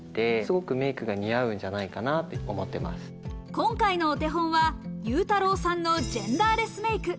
今回の手本は、ゆうたろうさんのジェンダーレスメイク。